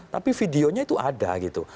tapi videonya itu ada gitu